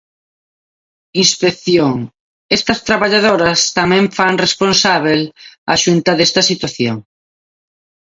Inspección Estas traballadoras tamén fan responsábel a Xunta desta situación.